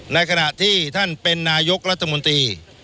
ในขณะที่ท่านเป็นนายกรัฐมนตรี